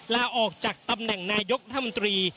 ลาออกจากตำแหน่งนายกรัฐมนตรี